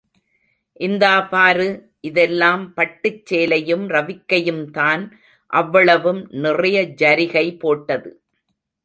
இந்தா பாரு இதெல்லாம் பட்டுச் சேலையும் ரவிக்கையுந்தான் அவ்வளவும் நிறைய ஜரிகை போட்டது.